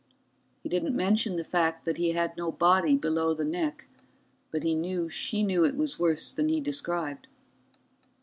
He didn't mention the fact that he had no body below the neck, but he knew she knew it was worse than he described.